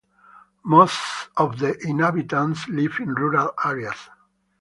Most of the inhabitants live in rural areas.